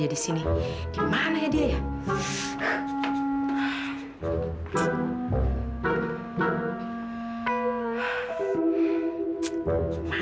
anak dimana sih